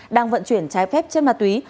đang vận chuyển trái phép trên ma túy